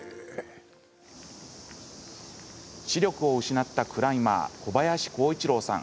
視力を失ったクライマー小林幸一郎さん。